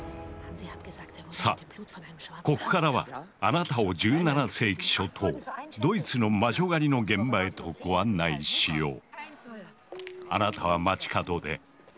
さあここからはあなたを１７世紀初頭ドイツの魔女狩りの現場へとご案内しよう。